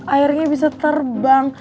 airnya bisa terbang